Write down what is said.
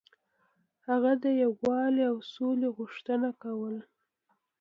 هغه د یووالي او سولې غوښتنه کوله.